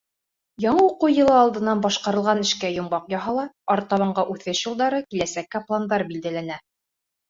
Яңы уҡыу йылы алдынан башҡарылған эшкә йомғаҡ яһала, артабанғы үҫеш юлдары, киләсәккә пландар билдәләнә.